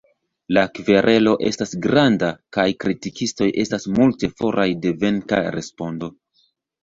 La kverelo estas granda kaj kritikistoj estas multe foraj de venka respondo.